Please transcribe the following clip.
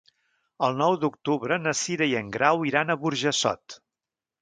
El nou d'octubre na Cira i en Grau iran a Burjassot.